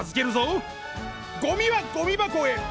ゴミはゴミ箱へ！